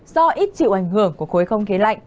do ít chịu ảnh hưởng của khối không khí lạnh